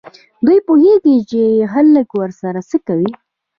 دوی پوهېږي چې خلک ورسره څه کوي.